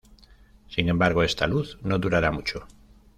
Sin embargo, esta luz no durará mucho.